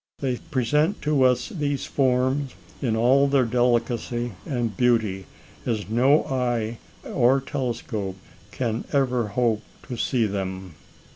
They present to us these forms in all their delicacy and beauty, as no eye or telescope can ever hope to see them."